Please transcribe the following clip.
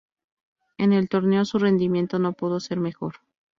En el torneo su rendimiento no pudo ser mejor.